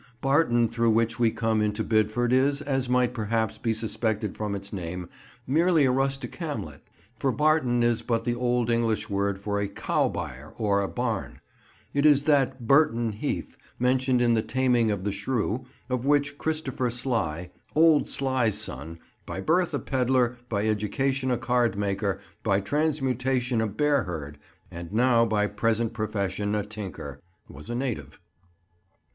Barton, through which we come into Bidford, is, as might perhaps be suspected from its name, merely a rustic hamlet, for "barton" is but the old English word for a cow byre or a barn. It is that "Burton Heath" mentioned in the Taming of the Shrew, of which Christopher Sly, "old Sly's son," "by birth a pedlar, by education a card maker, by transmutation a bear herd, and now by present profession a tinker," was a native.